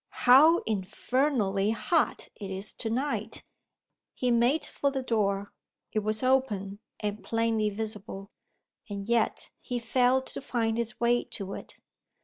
"How infernally hot it is to night!" He made for the door. It was open, and plainly visible and yet, he failed to find his way to it.